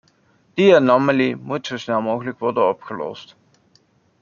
Die anomalie moet zo snel mogelijk worden opgelost.